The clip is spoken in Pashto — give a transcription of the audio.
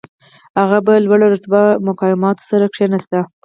هغه به له لوړ رتبه مقاماتو سره کښېناسته.